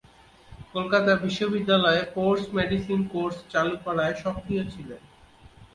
কলকাতা বিশ্ববিদ্যালয়ে sports medicine course চালু করায় সক্রিয় ছিলেন।